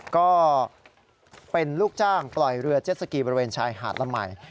ก็เป็นลูกจ้างปล่อยเรือเจ็ดสกีบริเวณชายหาดละใหม่